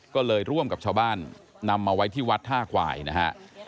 ก็เลยร่วมกับชาวบ้านนำมาไว้ที่วัดท่าควายนะฮะ